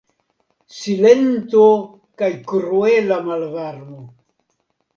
Silento kaj kruela malvarmo.